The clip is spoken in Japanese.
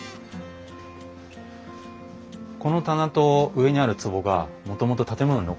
この棚と上にあるつぼがもともと建物に残ってたものなんです。